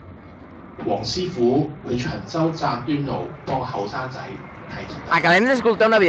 黃師傅去長洲贊端路幫個後生仔睇跌打